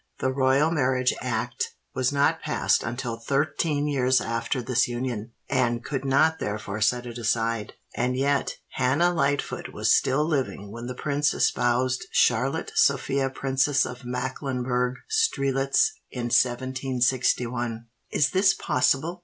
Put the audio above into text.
The Royal Marriage Act was not passed until thirteen years after this union, and could not therefore set it aside; and yet Hannah Lightfoot was still living when the prince espoused Charlotte Sophia Princess of Mecklenburgh Strelitz in 1761." "Is this possible?"